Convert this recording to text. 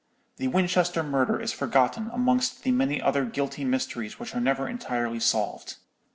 The Winchester murder is forgotten amongst the many other guilty mysteries which are never entirely solved.